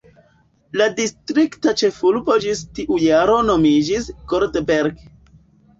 La distrikta ĉefurbo ĝis tiu jaro nomiĝis "Goldberg".